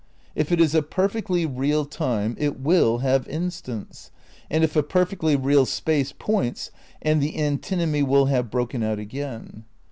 If it is a "perfectly real time" it ^mll have instants, and if a perfectly real space points, and the antinomy will have broken out again.